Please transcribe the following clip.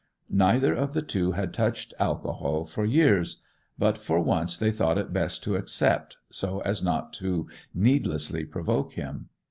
Neither of the two had touched alcohol for years, but for once they thought it best to accept, so as not to needlessly provoke him.